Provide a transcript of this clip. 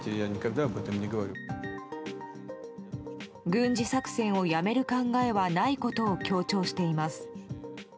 軍事作戦をやめる考えはないことを強調しています。